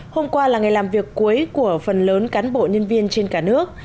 hôm qua là ngày làm việc cuối của phần lớn cán bộ nhân viên trên cả nước